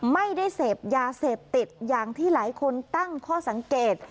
ไม่ได้เสพยาเสพติดอย่างที่หลายคนตั้งข้อสังเกต